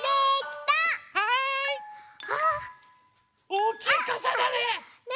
おおきいかさだね。